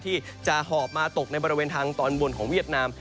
ที่จะหอบมาตกในบริเวณทางตอนบนของเวียดนาม